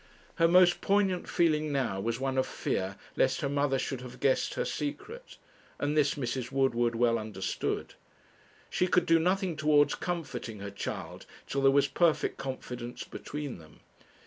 Her most poignant feeling now was one of fear lest her mother should have guessed her secret; and this Mrs. Woodward well understood. She could do nothing towards comforting her child till there was perfect confidence between them.